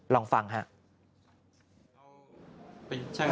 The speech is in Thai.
ลองฟังครับ